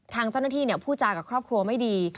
ทางเจ้าหน้าที่พูดจากับครอบครัวไม่ดี